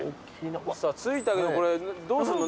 着いたけどこれどうすんの？